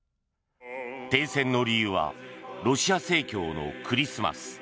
停戦の理由はロシア正教のクリスマス。